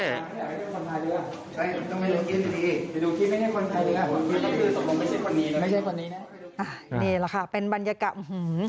นี่แหละค่ะเป็นบรรยากาศอื้อหือ